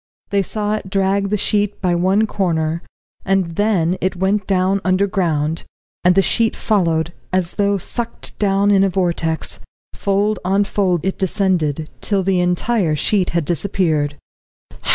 They saw it drag the sheet by one corner, and then it went down underground, and the sheet followed, as though sucked down in a vortex; fold on fold it descended, till the entire sheet had disappeared.